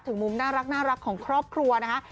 มุมน่ารักของครอบครัวนะคะ